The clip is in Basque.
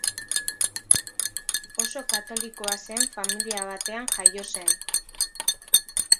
Oso katolikoa zen familia batean jaio zen.